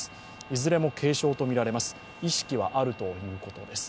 いずれも軽傷とみられます。